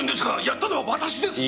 やったのは私です！